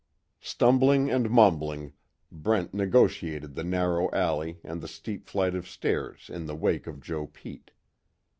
Stumbling and mumbling, Brent negotiated the narrow ally and the steep flight of stairs in the wake of Joe Pete.